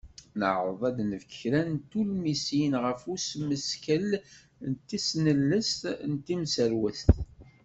Neɛreḍ ad d-nefk kra n tulmisin ɣef usmeskel n tesnilest timserwest.